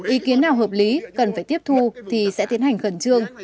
ý kiến nào hợp lý cần phải tiếp thu thì sẽ tiến hành khẩn trương